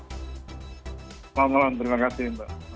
selamat malam terima kasih